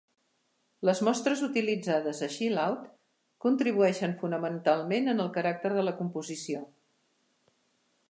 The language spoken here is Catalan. Les mostres utilitzades a "Chill Out" contribueixen fonamentalment en el caràcter de la composició.